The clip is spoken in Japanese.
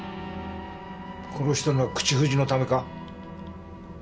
殺したのは口封じのためか？